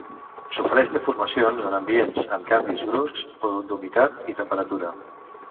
Sofreix deformacions en ambients amb canvis bruscs d'humitat i temperatura.